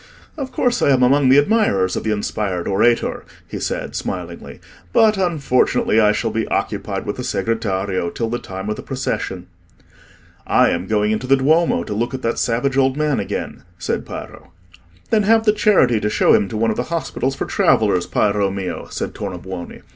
"Of course I am among the admirers of the inspired orator," he said, smilingly; "but, unfortunately, I shall be occupied with the Segretario till the time of the procession." "I am going into the Duomo to look at that savage old man again," said Piero. "Then have the charity to show him to one of the hospitals for travellers, Piero mio," said Tornabuoni.